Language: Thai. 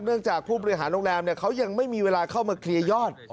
จากผู้บริหารโรงแรมเขายังไม่มีเวลาเข้ามาเคลียร์ยอด